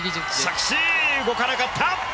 着地は動かなかった！